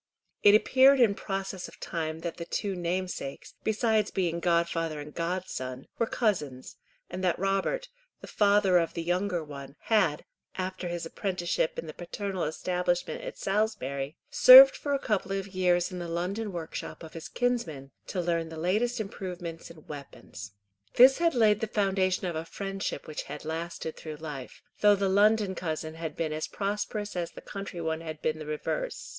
It appeared in process of time that the two namesakes, besides being godfather and godson, were cousins, and that Robert, the father of the younger one, had, after his apprenticeship in the paternal establishment at Salisbury, served for a couple of years in the London workshop of his kinsman to learn the latest improvements in weapons. This had laid the foundation of a friendship which had lasted through life, though the London cousin had been as prosperous as the country one had been the reverse.